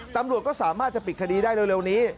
ตำรวจก็สามารถจะปิดคดีได้เร็วนี้